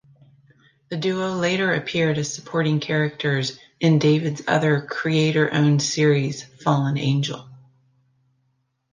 The duo later appeared as supporting characters in David's other creator-owned series, "Fallen Angel".